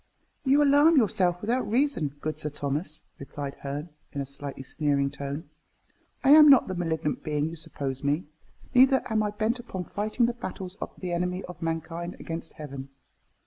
"You alarm yourself without reason, good Sir Thomas," replied Herne, in a slightly sneering tone. "I am not the malignant being you suppose me; neither am I bent upon fighting the battles of the enemy of mankind against Heaven.